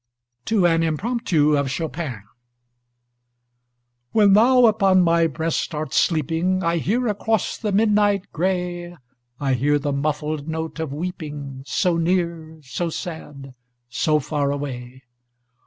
TO AN IMPROMPTU OF CHOPIN When thou upon my breast art sleeping, I hear across the midnight gray I hear the muffled note of weeping, So near so sad so far away!